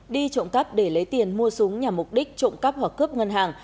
đi trộm cắp để lấy tiền mua súng nhằm mục đích trộm cắp hoặc cướp ngân hàng